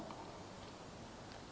belum nanti saya masuk kepada misalnya